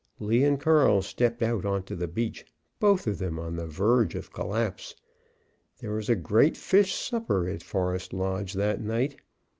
Lee and Carl stepped out on the beach, both of them on the verge of collapse. There was a great fish supper at Forest Lodge that night.